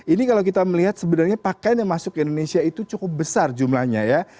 ini kalau kita melihat sebenarnya pakaian yang masuk ke indonesia itu cukup besar jumlahnya ya